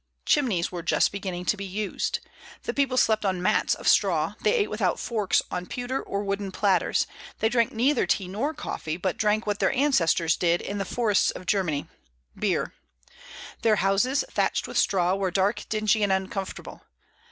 Chimneys were just beginning to be used. The people slept on mats of straw; they ate without forks on pewter or wooden platters; they drank neither tea nor coffee, but drank what their ancestors did in the forests of Germany, beer; their houses, thatched with straw, were dark, dingy, and uncomfortable.